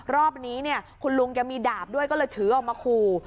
รอบนี้คุณลุงมีดาบด้วยก็เลยถือออกมาคู